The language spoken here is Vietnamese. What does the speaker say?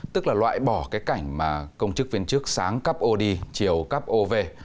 tức là loại bỏ cái cảnh mà công chức viên chức sáng cắp ô đi chiều cắp ô về